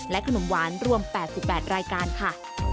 ขนมหวานรวม๘๘รายการค่ะ